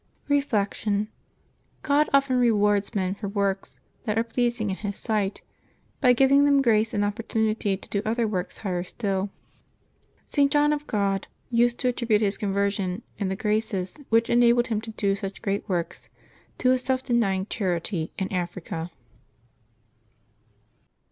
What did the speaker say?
Reflection. — God often rewards men for works that are pleasing in His sight by giving them grace and oppor tunity to do other works higher still. St. John of God used to attribute his conversion, and the graces which enabled him to do such great works, to his self denying charity in Africa.